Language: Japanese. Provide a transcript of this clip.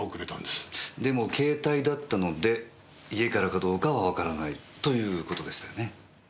でも携帯だったので家からかどうかはわからないという事でしたよね？